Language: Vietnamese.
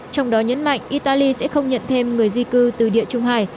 trong đó nhấn mạnh italy sẽ không nhận thêm người di cư từ địa trung hải